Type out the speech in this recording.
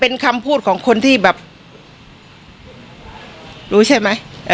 เป็นคำพูดของคนที่แบบรู้ใช่ไหม